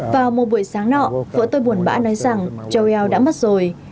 vào một buổi sáng nọ vợ tôi buồn bã nói rằng joel đã mất rồi